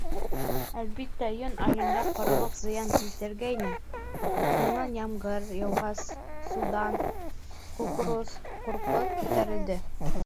Әлбиттә, июнь айында ҡоролоҡ зыян килтергәйне, һуңынан, ямғыр яуғас, судан, кукуруз, ҡурпы күтәрелде.